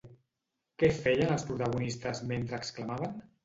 Què feien els protagonistes mentre exclamaven?